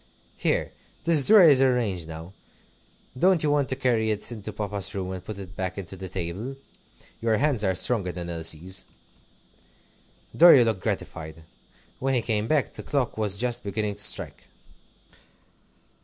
"Here, this drawer is arranged now. Don't you want to carry it into Papa's room and put it back into the table? Your hands are stronger than Elsie's." Dorry looked gratified. When he came back the clock was just beginning to strike.